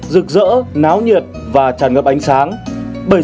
rực rỡ náo nhiệt và tràn ngập ánh sáng